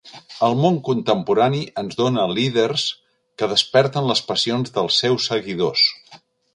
El món contemporani ens dóna líders que desperten les passions dels seus seguidors.